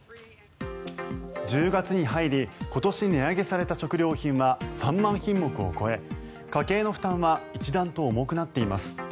１０月に入り今年値上げされた食料品は３万品目を超え家計の負担は一段と重くなっています。